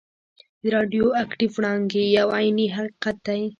د راډیو اکټیف وړانګې یو عیني حقیقت دی.